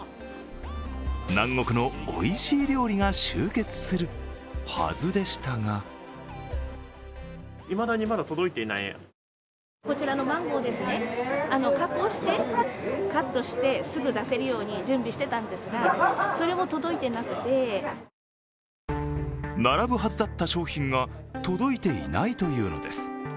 南国のおいしい料理が集結するはずでしたが並ぶはずだった商品が届いていないというのです。